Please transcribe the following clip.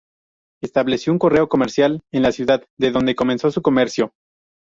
Estableció un correo comercial en la ciudad, de donde comenzó su comercio.